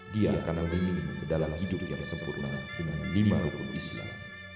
dia akan memimpinmu dalam hidup yang sempurna dengan lima rukun islam